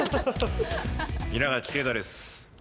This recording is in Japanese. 稲垣啓太です。